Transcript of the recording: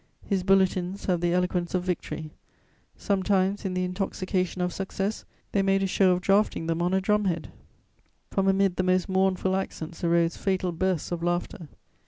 His bulletins have the eloquence of victory. Sometimes, in the intoxication of success, they made a show of drafting them on a drum head; from amid the most mournful accents arose fatal bursts of laughter.